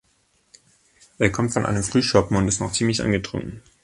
Er kommt von einem Frühschoppen und ist noch ziemlich angetrunken.